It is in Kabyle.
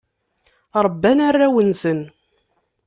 Rebban arraw-nsen.